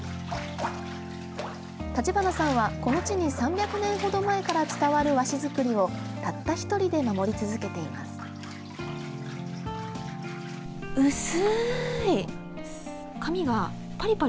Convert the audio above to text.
橘さんは、この地に３００年ほど前から伝わる和紙作りをたった１人で守り続けています。